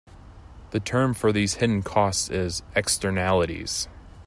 The term for these hidden costs is "Externalities".